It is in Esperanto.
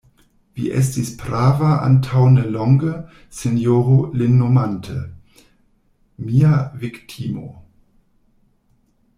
Vi estis prava antaŭ ne longe, sinjoro, lin nomante: mia viktimo.